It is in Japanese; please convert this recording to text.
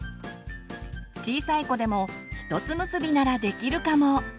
小さい子でもひとつ結びならできるかも！